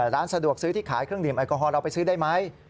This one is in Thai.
ร้านสะดวกซื้อที่ขายเครื่องดื่มแอลกอฮอลเราไปซื้อได้ไหม